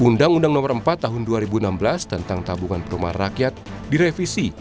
undang undang nomor empat tahun dua ribu enam belas tentang tabungan perumahan rakyat direvisi